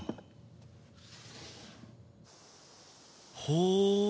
ほう！